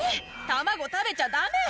卵食べちゃダメ！